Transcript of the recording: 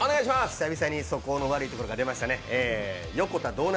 久々に素行の悪いところが出ましたね。